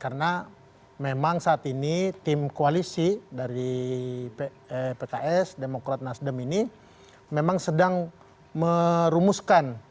karena memang saat ini tim koalisi dari pks demokrat nasdem ini memang sedang merumuskan